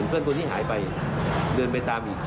เพื่อนคนที่หายไปเดินไปตามอีก